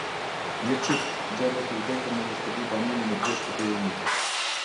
Një çift gjendet i vdekur në një shtëpi banimi në Bjeshkët e Junikut.